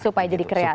supaya jadi kreatif